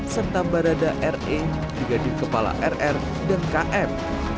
serta barada re brigadir kepala rr dan km